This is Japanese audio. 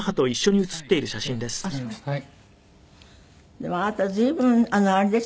でもあなた随分あれですよね。